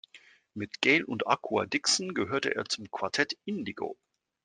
Mit Gayle und Akua Dixon gehörte er zum "Quartet Indigo".